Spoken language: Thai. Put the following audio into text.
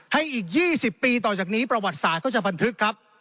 อีก๒๐ปีต่อจากนี้ประวัติศาสตร์ก็จะบันทึกครับ